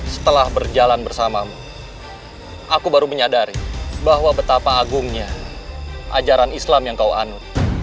setelah berjalan bersamamu aku baru menyadari bahwa betapa agungnya ajaran islam yang kau anut